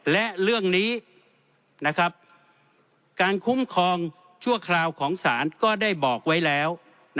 และเรื่องนี้การคุ้มครองชั่วคราวของศาลก็ได้บอกไว้แล้ว